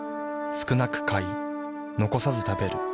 少なく買い残さず食べる。